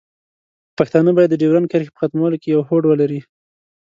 پښتانه باید د ډیورنډ کرښې په ختمولو کې یو هوډ ولري.